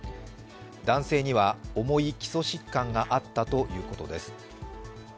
男性には重い基礎疾患があったということです。